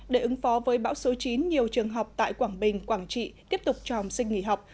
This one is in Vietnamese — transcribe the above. để ứng phó với bão số chín nhiều trường học tại quảng bình quảng trị tiếp tục cho học sinh nghỉ học